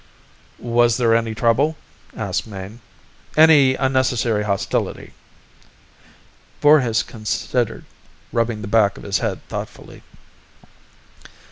"Was there any trouble?" asked Mayne. "Any unnecessary hostility?" Voorhis considered, rubbing the back of his head thoughtfully.